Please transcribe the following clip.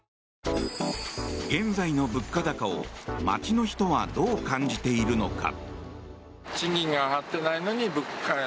現在の物価高を街の人はどう感じているのか。